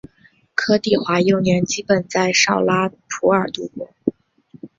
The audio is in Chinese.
柯棣华幼年基本在绍拉普尔度过。